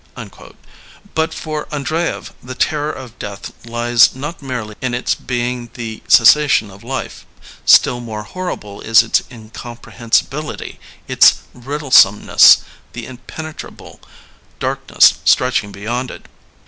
But for Andreyev the terror of death lies not merely in its being the ces sation of life; still more horrible is its incompre hensibility, its riddlesomeness, the impenetrable darkness stretching beyond it.